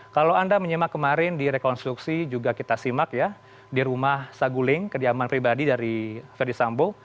kalau anda menyimak kemarin di rekonstruksi juga kita simak ya di rumah saguling kediaman pribadi dari ferdisambo